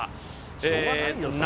しょうがないよ、それは。